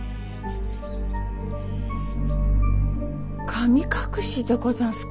神隠しでござんすか？